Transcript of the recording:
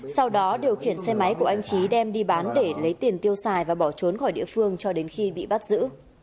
sau đó điều khiển xe máy của anh trí đem đi bán để lấy tiền tiêu xài và bỏ trốn khỏi địa phương cho đến khi bị bắt giữ